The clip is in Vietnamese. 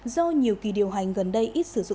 do nhiều kỳ điều hành gần đây